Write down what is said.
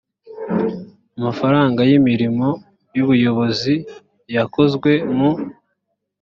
amafaranga y imirimo y ubuyobozi yakozwe mu